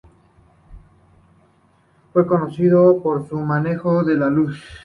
Fue conocido por su manejo de la luz.